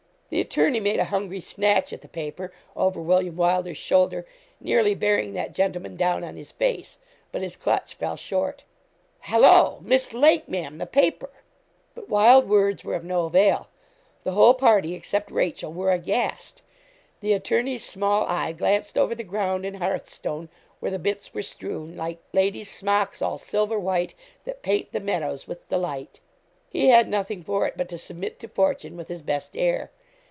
The attorney made a hungry snatch at the paper, over William Wylder's shoulder, nearly bearing that gentleman down on his face, but his clutch fell short. 'Hallo! Miss Lake, Ma'am the paper!' But wild words were of no avail. The whole party, except Rachel, were aghast. The attorney's small eye glanced over the ground and hearthstone, where the bits were strewn, like Ladies' smocks, all silver white, That paint the meadows with delight. He had nothing for it but to submit to fortune with his best air.